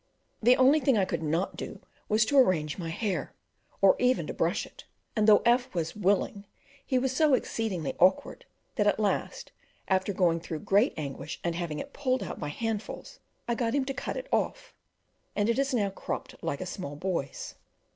The only thing I could not do was to arrange my hair, or even to brush it; and though F was "willing," he was so exceedingly awkward, that at last, after going through great anguish and having it pulled out by handfuls, I got him to cut it off, and it is now cropped like a small boy's.